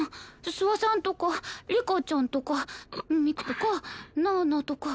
諏訪さんとかリカちゃんとかみくとかなーなとか。